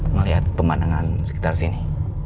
melihat pemandangan sekitar sini